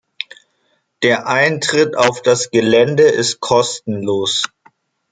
Der Eintritt auf das Gelände ist kostenlos.